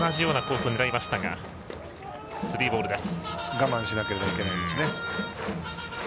我慢しなければいけないですね。